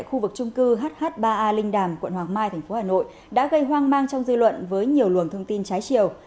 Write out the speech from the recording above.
khu vực trung cư hh ba a linh đàm quận hoàng mai tp hà nội đã gây hoang mang trong dư luận với nhiều luồng thông tin trái chiều